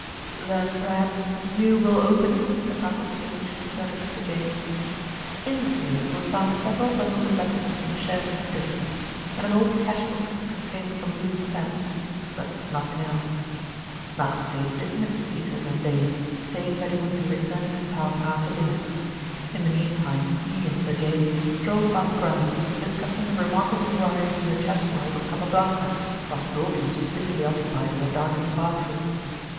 "Then perhaps you will open it?" said Malcolm Sage, turning to Sir James. In the safe were found several bundles of letters and share certificates, and an old cash box containing some loose stamps; but nothing else. Malcolm Sage dismissed Peters and Dane, saying that he would be returning to town after dinner. In the meantime he and Sir James strolled about the grounds, discussing the remarkable rise in the chess world of Capablanca, whilst Dawkins was busily occupied in a darkened bath room.